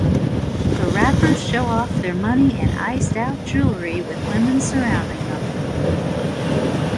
The rappers show off their money and "iced out" jewelry with women surrounding them.